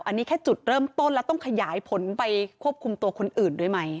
อันนี้แค่จุดเริ่มต้นแล้วต้องขยายผลไปควบคุมตัวคนอื่นด้วยไหม